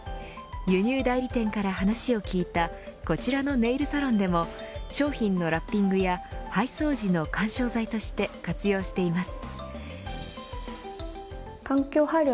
輸入代理店から話を聞いたこちらのネイルサロンでも商品のラッピングや配送時の緩衝材として活用しています。